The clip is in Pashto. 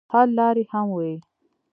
حل لارې هم وي.